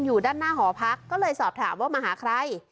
อยู่ด้านหน้าหอพักก็เลยสอบถามว่ามาหาใคร